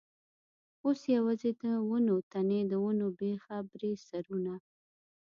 اوس یوازې د ونو تنې، د ونو بېخه برې سرونه.